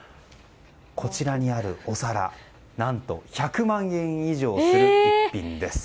こちらにあるお皿何と１００万円以上する逸品です。